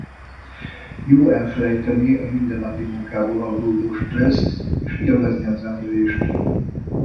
Jó elfelejteni a mindennapi munkából adódó stresszt és élvezni a zenélést.